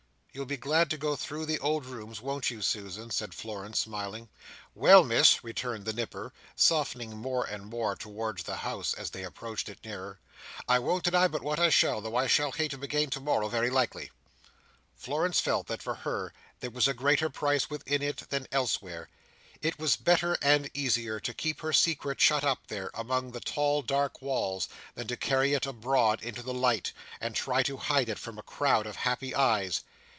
"You'll be glad to go through the old rooms, won't you, Susan?" said Florence, smiling. "Well, Miss," returned the Nipper, softening more and more towards the house, as they approached it nearer, "I won't deny but what I shall, though I shall hate 'em again, to morrow, very likely." Florence felt that, for her, there was greater peace within it than elsewhere. It was better and easier to keep her secret shut up there, among the tall dark walls, than to carry it abroad into the light, and try to hide it from a crowd of happy eyes.